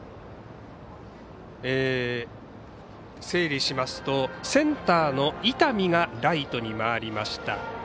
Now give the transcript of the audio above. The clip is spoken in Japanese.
整理しますと、センターの伊丹がライトに回りました。